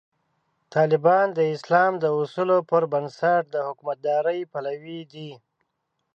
طالبان د اسلام د اصولو پر بنسټ د حکومتدارۍ پلوي دي.